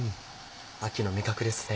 秋の味覚ですね。